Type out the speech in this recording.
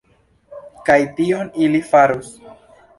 Kaj tion ili faros.